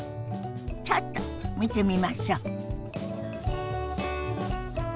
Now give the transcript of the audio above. ちょっと見てみましょ。